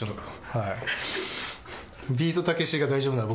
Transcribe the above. はい。